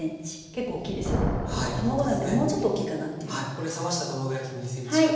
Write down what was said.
これ冷ました卵焼きも２ｃｍ角。